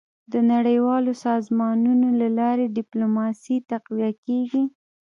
. د نړیوالو سازمانونو له لارې ډيپلوماسي تقویه کېږي.